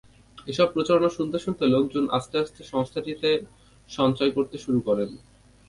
এসব প্রচারণা শুনতে শুনতে লোকজন আস্তে আস্তে সংস্থাটিতে সঞ্চয় করতে শুরু করেন।